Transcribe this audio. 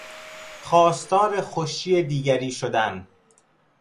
خواستار خوشی دیگری شدن